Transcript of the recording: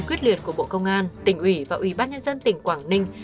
quyết liệt của bộ công an tỉnh ủy và ủy ban nhân dân tỉnh quảng ninh